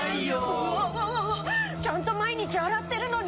うわわわわちゃんと毎日洗ってるのに。